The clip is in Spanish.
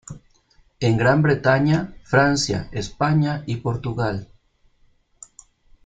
En Gran Bretaña, Francia, España y Portugal.